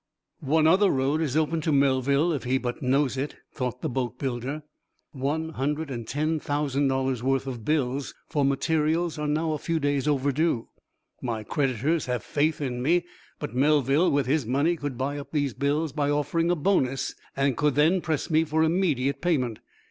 "One other road is open to Melville if he but knows it," thought the boatbuilder. "One hundred and ten thousand dollars' worth of bills for materials are now a few days overdue. My creditors have faith in me, but Melville, with his money, could buy up these bills by offering a bonus and could then press me for immediate payment.